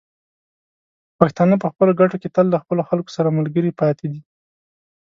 پښتانه په خپلو ګټو کې تل له خپلو خلکو سره ملګري پاتې دي.